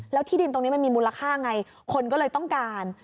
แล้วที่ดินตรงนี้มันมีมูลค่าไงคนก็เลยต้องการ